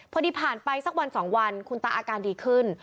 พอดีผ่านไปสักวัน๒วันคุณตาอาการดีขึ้น